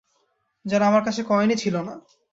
যেন, আমার কাছে কয়েনই ছিল না।